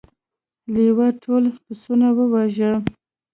لیوه ټول پسونه وواژه.